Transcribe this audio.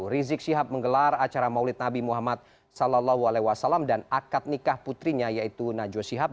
rizik syihab menggelar acara maulid nabi muhammad saw dan akad nikah putrinya yaitu najwa sihab